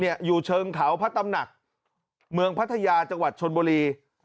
อยู่เชิงเขาพระตำหนักเมืองพัทยาจังหวัดชนบุรี